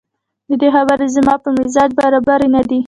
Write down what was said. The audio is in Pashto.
دده خبرې زما په مزاج برابرې نه دي